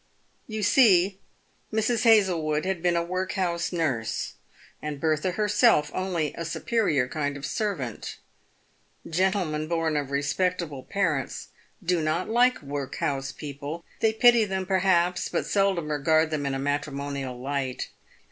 You see Mrs. Hazlewood had been a workhouse nurse, and Bertha herself only a superior kind of servant. Gentlemen born of respectable parents do not like workhouse people. They pity them, perhaps, but seldom regard them in a matrimonial light.